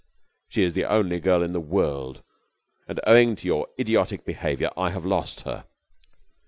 "She is the only girl in the world, and owing to your idiotic behaviour I have lost her."